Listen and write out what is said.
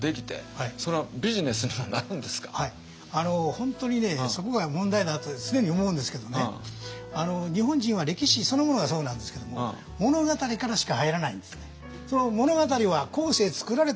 本当にねそこが問題になると常に思うんですけどね日本人は歴史そのものがそうなんですけどもいろいろ小説がね。